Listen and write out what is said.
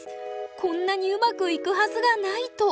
こんなにうまくいくはずがないと。